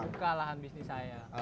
membuka lahan bisnis saya